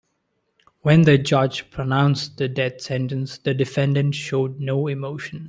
When the judge pronounced the death sentence, the defendant showed no emotion.